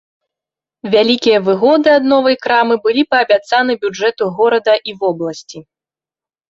Вялікія выгоды ад новай крамы былі паабяцаны бюджэту горада і вобласці.